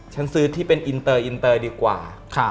ฉันซื้อที่เป็นอินเตอร์อินเตอร์ดีกว่า